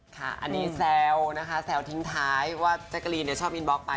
ค่ะอันนี้แซวนะคะแซวทิ้งท้ายว่าแจ๊กกะรีนชอบอินบล็อกไป